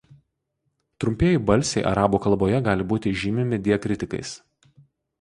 Trumpieji balsiai arabų kalboje gali būti žymimi diakritikais.